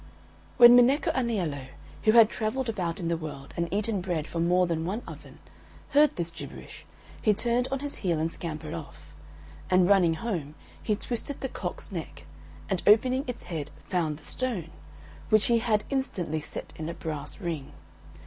When Minecco Aniello, who had travelled about in the world and eaten bread from more than one oven, heard this gibberish he turned on his heel and scampered off. And, running home, he twisted the cock's neck, and opening its head found the stone, which he had instantly set in a brass ring.